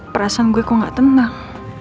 perasaan gue kok gak tenang